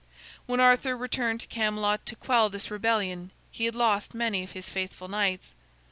When Arthur returned to Camelot to quell this rebellion, he had lost many of his faithful knights.